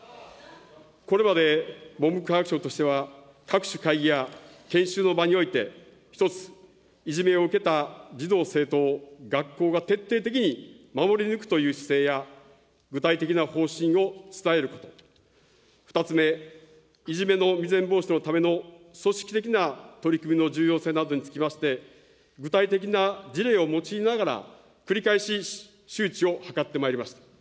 これまで文部科学省としては、各種会議や研修の場において、一つ、いじめを受けた児童・生徒を学校が徹底的に守り抜くという姿勢や、具体的な方針を伝えること、２つ目、いじめの未然防止のための組織的な取り組みの重要性などにつきまして、具体的な事例を用いながら、繰り返し、周知を図ってまいりました。